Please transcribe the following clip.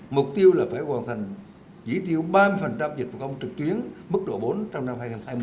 mục tiêu là phải hoàn thành chỉ tiêu ba mươi dịch vụ công trực tuyến mức độ bốn trong năm hai nghìn hai mươi